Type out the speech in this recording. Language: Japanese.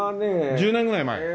１０年ぐらい前？